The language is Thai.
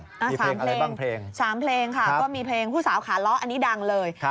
มี๓เพลงค่ะมีเพลงพูดสาวขาเลาะอันนี้ดังเลย